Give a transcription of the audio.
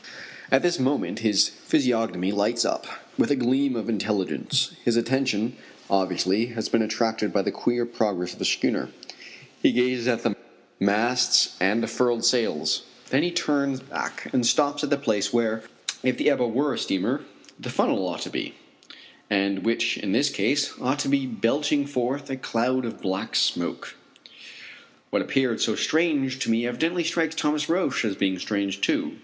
At this moment his physiognomy lights up with a gleam of intelligence. His attention, obviously, has been attracted by the queer progress of the schooner. He gazes at the masts and the furled sails. Then he turns back and stops at the place where, if the Ebba were a steamer, the funnel ought to be, and which in this case ought to be belching forth a cloud of black smoke. What appeared so strange to me evidently strikes Thomas Roch as being strange, too.